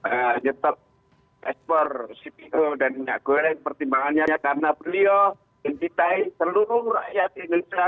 nyetop ekspor cpo dan minyak goreng pertimbangannya karena beliau mencintai seluruh rakyat indonesia